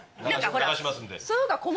流しますんで。